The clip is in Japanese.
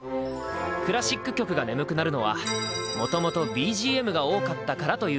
クラシック曲が眠くなるのはもともとＢＧＭが多かったからというわけ。